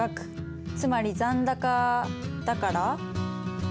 つまり残高だから。